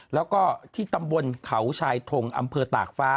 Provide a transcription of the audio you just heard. แล้วก็ที่ตำบลเขาชายทงอำเภอตากฟ้า